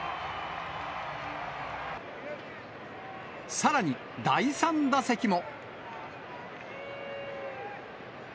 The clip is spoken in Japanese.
さらに第３打席も。